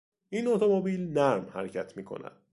این اتومبیل نرم حرکت میکند.